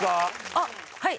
あっはい。